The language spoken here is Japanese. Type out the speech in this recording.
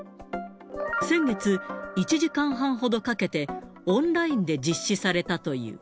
先月、１時間半ほどかけて、オンラインで実施されたという。